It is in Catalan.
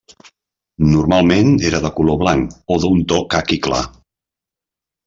Normalment era de color blanc o d'un to caqui clar.